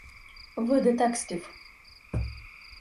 Види текстів